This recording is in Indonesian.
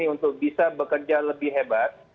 untuk bisa bekerja lebih hebat